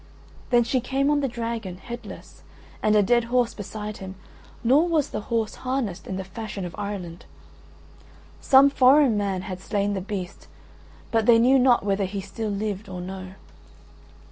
Then she came on the dragon, headless, and a dead horse beside him: nor was the horse harnessed in the fashion of Ireland. Some foreign man had slain the beast, but they knew not whether he still lived or no.